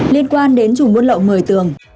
liên quan đến chủ môn lậu một mươi tường